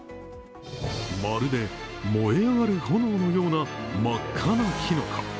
まるで燃え上がる炎のような真っ赤なきのこ。